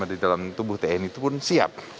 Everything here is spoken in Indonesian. yang ada di dalam tubuh tni itu pun siap